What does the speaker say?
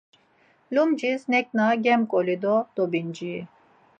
Lumcis neǩna gemǩoli do dobinciri.